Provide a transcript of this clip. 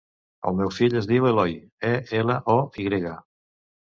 El meu fill es diu Eloy: e, ela, o, i grega.